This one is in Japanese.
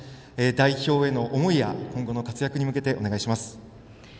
代表への思いや今後の活躍に向けてお願いします。